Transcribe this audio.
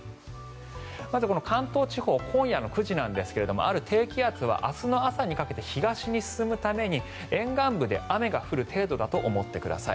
まずこの関東地方今夜の９時なんですが低気圧は明日の朝にかけて東に進むために沿岸部で雨が降る程度だと思ってください。